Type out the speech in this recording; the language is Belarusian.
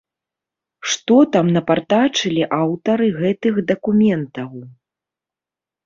Што там напартачылі аўтары гэтых дакументаў?